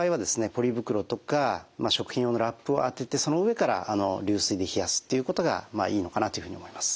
ポリ袋とか食品用のラップを当ててその上から流水で冷やすっていうことがいいのかなというふうに思います。